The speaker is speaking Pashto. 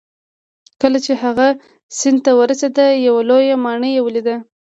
کله چې هغه سیند ته ورسید یوه لویه ماڼۍ یې ولیده.